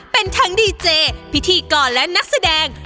เป็นทั้งดีเจพิธีกรและนักแสดง